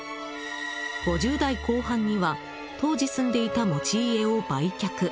５０代後半には当時住んでいた持ち家を売却。